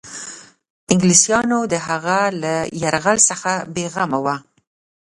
انګلیسیانو د هغه له یرغل څخه بېغمه وه.